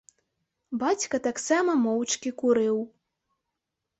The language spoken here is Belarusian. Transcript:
Бацька таксама моўчкі курыў.